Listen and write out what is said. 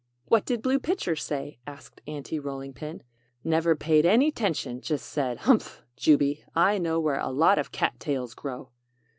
"What did Blue Pitcher say?" asked Aunty Rolling Pin. "Never paid any 'tention just said: 'Humph, Jubey, I know where a lot of cat tails grow!'